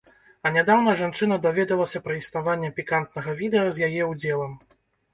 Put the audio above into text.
А нядаўна жанчына даведалася пра існаванне пікантнага відэа з яе ўдзелам.